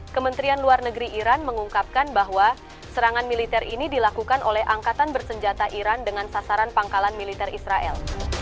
kementerian luar negeri iran mengungkapkan bahwa serangan militer ini dilakukan oleh angkatan bersenjata iran dengan sasaran pangkalan militer israel